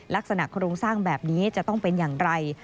ลักษณะโครงสร้างแบบนี้จะต้องเป็นอย่างไร